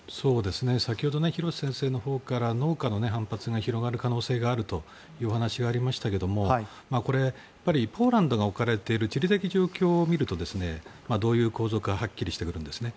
先ほど廣瀬先生のほうから農家の反発が広がる可能性があるというお話がありましたがこれ、ポーランドが置かれている地理的状況を見るとどういう構造かはっきりしてくるんですね。